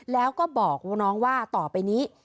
แล้วก็บอกน้องว่าต่อไปนี้